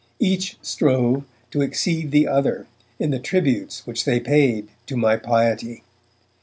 Each strove to exceed the other in the tributes which they paid to any piety.